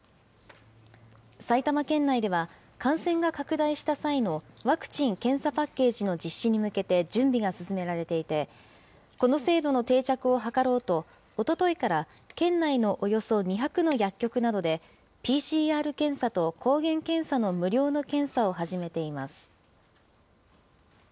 埼玉県内では、感染が拡大した際のワクチン・検査パッケージの実施に向けて準備が進められていて、この制度の定着を図ろうと、おとといから、県内のおよそ２００の薬局などで、ＰＣＲ検査と抗原検査の無料の検査を始めています。